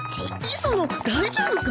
磯野大丈夫か？